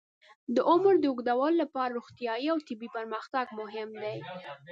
د عمر د اوږدولو لپاره روغتیايي او طبي پرمختګ مهم دی.